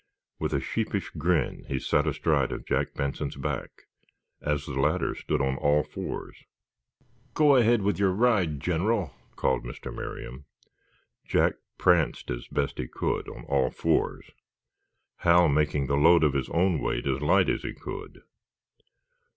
With a sheepish grin he sat astride of Jack Benson's back as the latter stood on all fours. "Go ahead with your ride, General," called Mr. Merriam. Jack pranced as best he could, on all fours, Hal making the load of his own weight as light as he could.